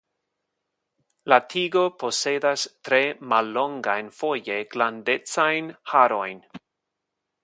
La tigo posedas tre mallongajn foje glandecajn harojn.